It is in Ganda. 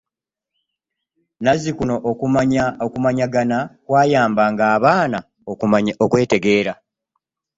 Nazzikuno okumanyagana kwayambanga abaana okwetegeera.